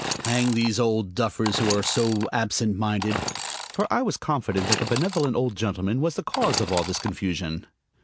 Hang these old duffers who are so absent minded! For I was confident that the benevolent old gentleman was the cause of all this confusion.